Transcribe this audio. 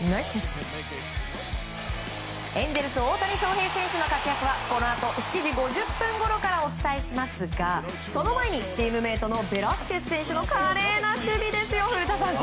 エンゼルス大谷翔平選手の活躍はこのあと７時５０分ごろからお伝えしますがその前にチームメートのベラスケス選手の華麗な守備ですよ、古田さん。